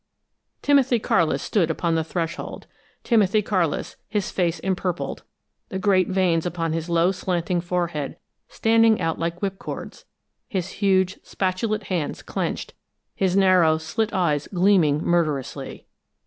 Timothy Carlis stood upon the threshold Timothy Carlis, his face empurpled, the great veins upon his low slanting forehead standing out like whipcords, his huge, spatulate hands clenched, his narrow, slit eyes gleaming murderously.